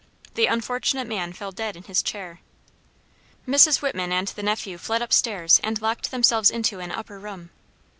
The unfortunate man fell dead in his chair. Mrs. Whitman and the nephew fled up stairs and locked themselves into an upper room.